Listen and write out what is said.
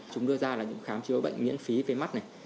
chúng đưa ra là những khám chữa bệnh miễn phí về mắt này